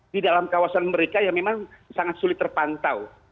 di dalam kawasan mereka yang memang sangat sulit terpantau